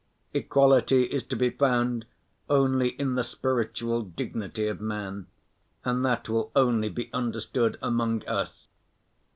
Equality is to be found only in the spiritual dignity of man, and that will only be understood among us.